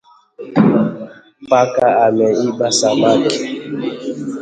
paka ameiba samaki